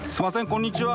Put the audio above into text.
こんにちは。